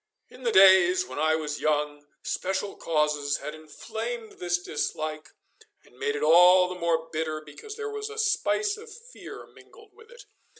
In the days when I was young, special causes had inflamed this dislike and made it all the more bitter because there was a spice of fear mingled with it.